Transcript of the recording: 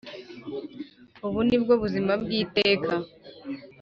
Ubu ni bwo buzima bw iteka